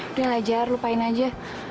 udah lajar lupain aja